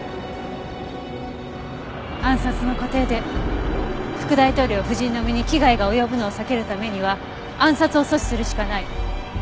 暗殺の過程で副大統領夫人の身に危害が及ぶのを避けるためには暗殺を阻止するしかない。